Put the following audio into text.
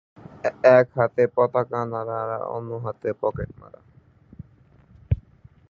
এক হাতে পতাকা নাড়া আর অন্য হাতে পকেট মারা।